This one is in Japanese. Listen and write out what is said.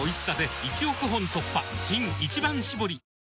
新「一番搾り」